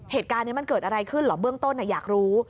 เหตุการณ์นี้มันเกิดอะไรขึ้นเหรอเบื้องต้นอยากรู้